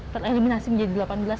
tereliminasi menjadi delapan belas